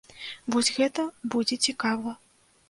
Вось гэта будзе цікава.